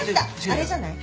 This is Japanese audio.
あれじゃない？